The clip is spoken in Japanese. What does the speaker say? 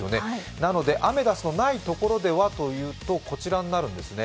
なのでアメダスのないところではというと、こちらになるんですね。